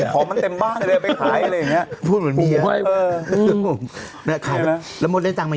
ขอบมันเต็มบ้านให้เขายังไง